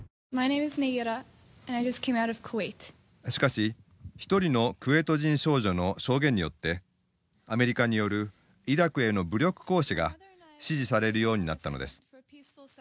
しかし一人のクウェート人少女の証言によってアメリカによるイラクへの武力行使が支持されるようになったのです。